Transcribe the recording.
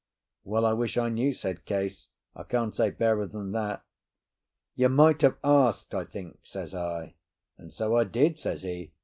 "Well, I wish I knew," said Case. "I can't say fairer than that." "You might have asked, I think," says I. "And so I did," says he.